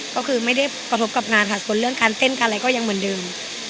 ก็คือไม่ได้กระทบกับงานค่ะส่วนเรื่องการเต้นการอะไรก็ยังเหมือนเดิม